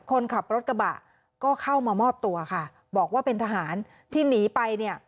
คนขับรถกระบะก็เข้ามามอบตัวค่ะบอกว่าเป็นทหารที่หนีไปเนี่ย